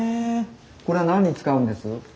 これは何に使うんです？